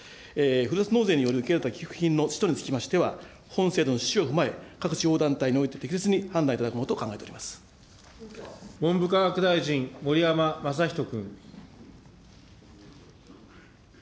ふるさと納税により受けられた寄付金の使途につきましては、本制度の趣旨を踏まえ、各地方団体において適切に判断いただけるもの文部科学大臣、盛山正仁君。